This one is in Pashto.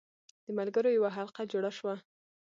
د ملګرو یوه حلقه جوړه شوه.